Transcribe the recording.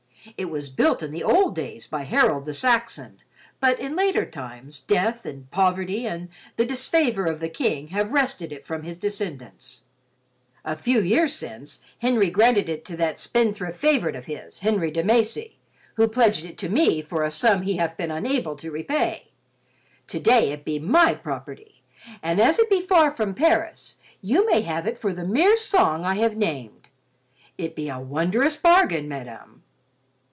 It was built in the old days by Harold the Saxon, but in later times, death and poverty and the disfavor of the King have wrested it from his descendants. A few years since, Henry granted it to that spend thrift favorite of his, Henri de Macy, who pledged it to me for a sum he hath been unable to repay. Today it be my property, and as it be far from Paris, you may have it for the mere song I have named. It be a wondrous bargain, madame."